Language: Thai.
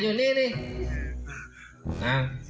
เพื่อแม่พี่น้อง